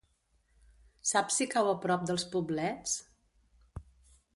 Saps si cau a prop dels Poblets?